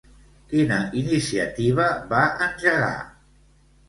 Quina iniciativa va engegar?